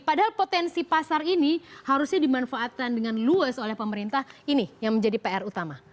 padahal potensi pasar ini harusnya dimanfaatkan dengan luas oleh pemerintah ini yang menjadi pr utama